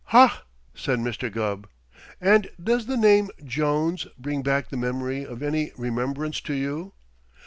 "Hah!" said Mr. Gubb. "And does the name Jones bring back the memory of any rememberance to you?"